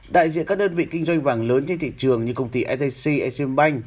đại diện các đơn vị kinh doanh vàng lớn trên thị trường như công ty sac s p